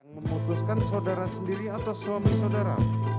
memutuskan saudara sendiri atau suami saudara